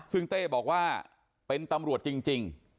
ซึ่งเต้บอกว่าเป็นตำรวจจริง